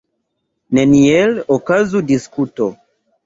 Neniel okazu diskuto.